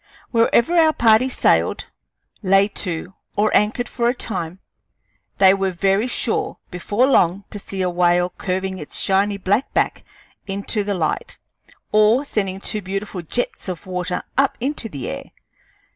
Wherever our party sailed, lay to, or anchored for a time, they were very sure, before long, to see a whale curving his shining black back into the light, or sending two beautiful jets of water up into the air.